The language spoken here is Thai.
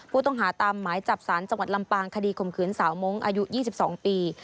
ผู้ต้องหาตามหมายจับสารจังหวัดลำปางคดีข่มขืนสาวมงค์อายุ๒๒ปี